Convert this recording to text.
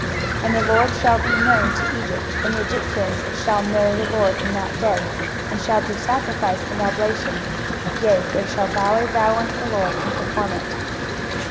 23:019:021 And the LORD shall be known to Egypt, and the Egyptians shall know the LORD in that day, and shall do sacrifice and oblation; yea, they shall vow a vow unto the LORD, and perform it.